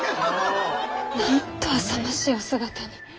なんとあさましいお姿に。